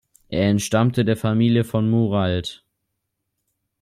Er entstammte der Familie von Muralt.